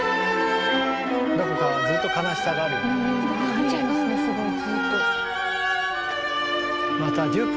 見ちゃいますねすごいずっと。